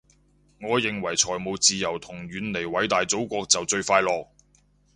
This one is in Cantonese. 我認為財務自由同遠離偉大祖國就最快樂